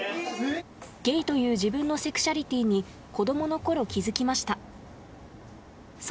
ゲイという自分のセクシャリティに子供の頃気付きました